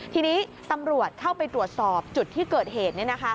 ทีนี้ตำรวจเข้าไปตรวจสอบจุดที่เกิดเหตุ